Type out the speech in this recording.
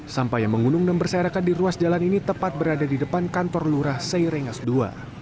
sampah yang menggunung dan berserakan di ruas jalan ini tepat berada di depan kantor lurah seiringas ii